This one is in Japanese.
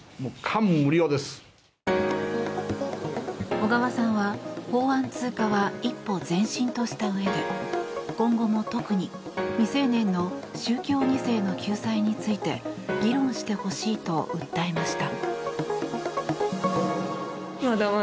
小川さんは法案通過は一歩前進としたうえで今後も特に未成年の宗教２世の救済について議論してほしいと訴えました。